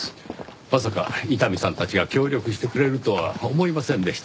まさか伊丹さんたちが協力してくれるとは思いませんでした。